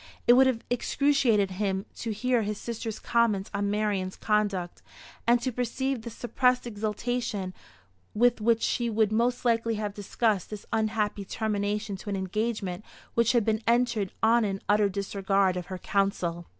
It would have excruciated him to hear his sister's comments on Marian's conduct, and to perceive the suppressed exultation with which she would most likely have discussed this unhappy termination to an engagement which had been entered on in utter disregard of her counsel.